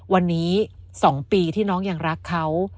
วันนี้๒ปีที่น้องยังรักเขา